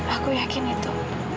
aku yakin itu